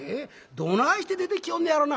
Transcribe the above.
どないして出てきよんねやろな」。